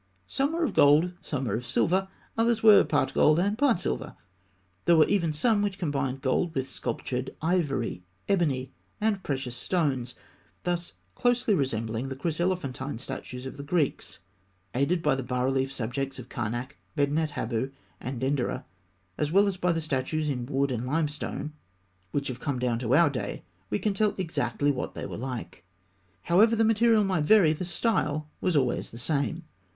Some were of gold, some of silver; others were part gold and part silver. There were even some which combined gold with sculptured ivory, ebony, and precious stones, thus closely resembling the chryselephantine statues of the Greeks. Aided by the bas relief subjects of Karnak, Medinet Habû, and Denderah, as well as by the statues in wood and limestone which have come down to our day, we can tell exactly what they were like. However the material might vary, the style was always the same.